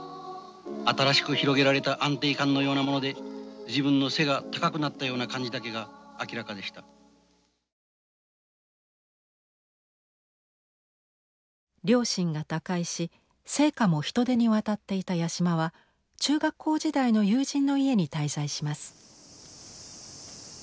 新しく広げられた安定感のようなもので自分の背が高くなったような感じだけが明らかでした両親が他界し生家も人手に渡っていた八島は中学校時代の友人の家に滞在します。